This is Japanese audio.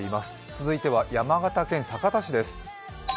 続いては山形県酒田市です。